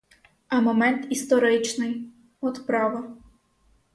А момент історичний, от право.